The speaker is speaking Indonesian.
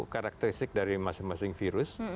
karakteristik dari masing masing virus